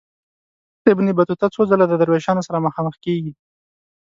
ابن بطوطه څو ځله د دروېشانو سره مخامخ کیږي.